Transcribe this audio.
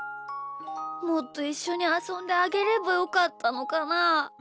もっといっしょにあそんであげればよかったのかな？